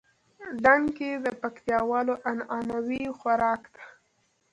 ډنډکی د پکتياوالو عنعنوي خوارک ده